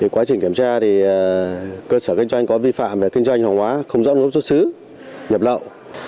quá trình kiểm tra thì cơ sở kinh doanh có vi phạm về kinh doanh hàng hóa không rõ nguồn gốc xuất xứ nhập lậu